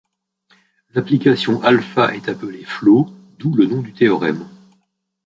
L'application α est appelée flot, d'où le nom du théorème.